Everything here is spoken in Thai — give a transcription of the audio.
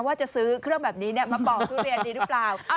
ว่าจะซื้อเครื่องแบบนี้มาปอกทุเรียนดีหรือเปล่า